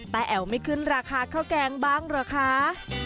แอ๋วไม่ขึ้นราคาข้าวแกงบ้างเหรอคะ